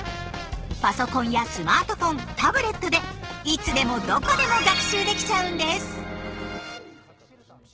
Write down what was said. パソコンやスマートフォンタブレットでいつでもどこでも学習できちゃうんです！